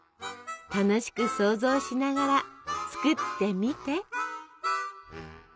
楽しく想像しながら作ってみて！